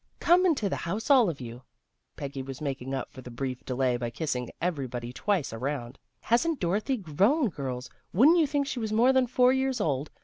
" Come into the house, all of you." Peggy was making up for the brief delay by kissing everybody twice around. " Hasn't Dorothy grown, girls? Wouldn't you think she was more than four years old?